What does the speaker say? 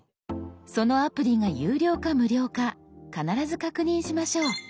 そのアプリが有料か無料か必ず確認しましょう。